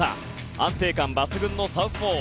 安定感抜群のサウスポー。